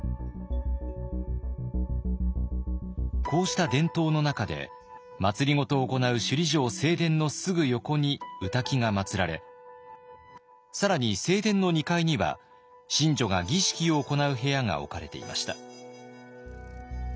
こうした伝統の中で政を行う首里城正殿のすぐ横に御嶽がまつられ更に正殿の２階には神女が儀式を行う部屋が置かれていました。